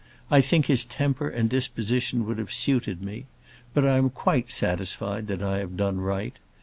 I think his temper and disposition would have suited me. But I am quite satisfied that I have done right.